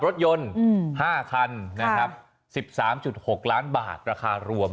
รถยนต์๕คันนะครับ๑๓๖ล้านบาทราคารวม